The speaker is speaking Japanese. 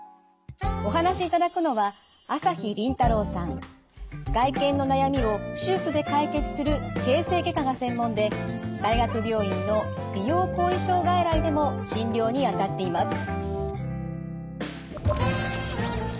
お話しいただくのは外見の悩みを手術で解決する形成外科が専門で大学病院の美容後遺症外来でも診療にあたっています。